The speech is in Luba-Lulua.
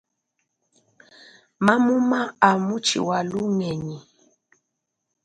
Mamuma a mutshi wa lugenyi.